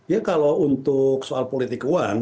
ya kalau untuk soal politik uang